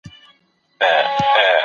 د افغان میرمنو ږغ تر ټولي نړۍ رسیدلی و.